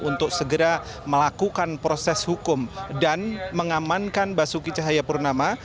untuk segera melakukan proses hukum dan mengamankan basuki cahayapurnama